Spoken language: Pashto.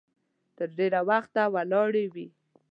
تر ډېره وخته ولاړې وي.